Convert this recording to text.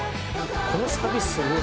このサビすごい。